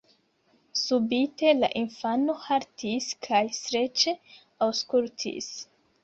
Subite la infano haltis kaj streĉe aŭskultis.